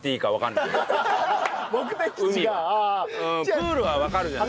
プールはわかるじゃない。